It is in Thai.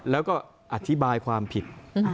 แล้วก็อธิบายความผิด